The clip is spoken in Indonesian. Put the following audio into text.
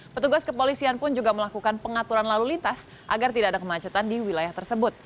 petugas kepolisian pun juga melakukan pengaturan lalu lintas agar tidak ada kemacetan di wilayah tersebut